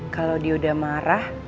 kalo dia udah marah